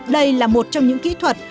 đây là một trong những kỹ thuật